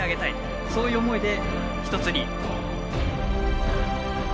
そういう思いで一つに。